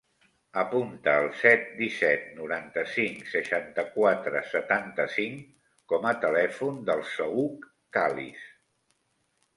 Apunta el set, disset, noranta-cinc, seixanta-quatre, setanta-cinc com a telèfon del Saüc Caliz.